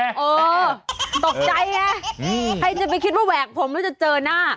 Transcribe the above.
เออตกใจไงใครจะไปคิดว่าแหวกผมแล้วจะเจอหน้า